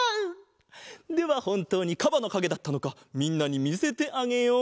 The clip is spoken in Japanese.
ではほんとうにかばのかげだったのかみんなにみせてあげよう！